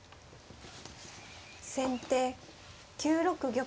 先手９六玉。